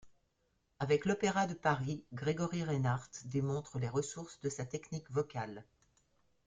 Avec l’Opéra de Paris, Gregory Reinhart démontre les ressources de sa technique vocale.